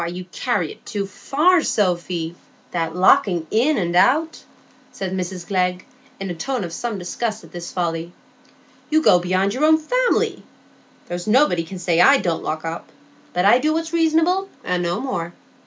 "You carry it too far, Sophy,—that locking in and out," said Mrs Glegg, in a tone of some disgust at this folly. "You go beyond your own family. There's nobody can say I don't lock up; but I do what's reasonable, and no more.